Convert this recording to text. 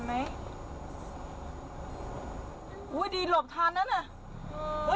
ตามพี่ตาม